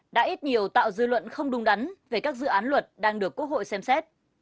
đã ít nhiều tạo dư luận không đúng đắn về các dự án luật đang được quốc hội xem xét